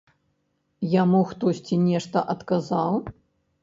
Яму хтосьці нешта адказаў?